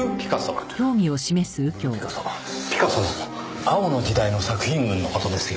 ピカソの青の時代の作品群の事ですよ。